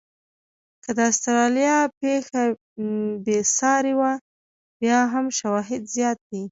که د استرالیا پېښه بې ساري وه، بیا هم شواهد زیات دي.